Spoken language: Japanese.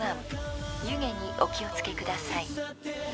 ［湯気にお気を付けください］